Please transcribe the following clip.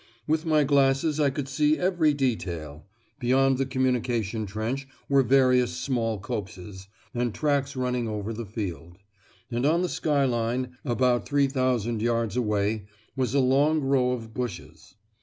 With my glasses I could see every detail; beyond the communication trench were various small copses, and tracks running over the field; and on the skyline, about three thousand yards away, was a long row of bushes.